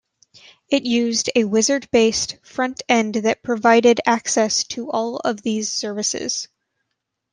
It used a Wizard-based front-end that provided access to all of these services.